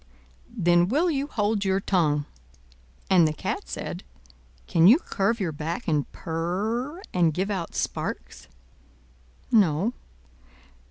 "Then will you hold your tongue!" And the Cat said, "Can you curve your back, and purr, and give out sparks?" "No."